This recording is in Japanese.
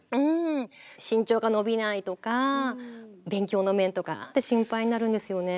身長が伸びないとか勉強の面とか心配になるんですよね。